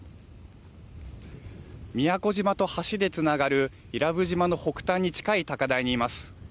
宮古島と橋でつながる伊良部島の北端に近い高台にいます。